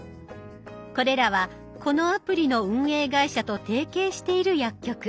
これらはこのアプリの運営会社と提携している薬局。